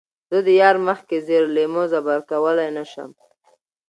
زۀ د يار مخکښې زېر لېمۀ زبَر کؤلے نۀ شم